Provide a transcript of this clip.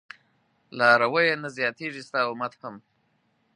لارويه نه زياتېږي ستا امت هم